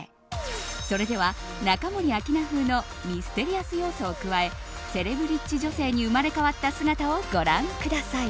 それでは、中森明菜風のミステリアス要素を加えセレブリッチ女性に生まれ変わった姿をご覧ください。